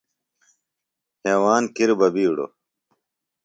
ہیواند کِر بہ بِیڈوۡ۔